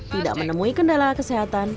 tidak menemui kendala kesehatan